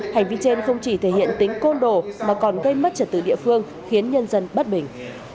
hành vi trên không chỉ thể hiện tính côn đồ mà còn gây mất trật tự địa phương khiến nhân dân bất bình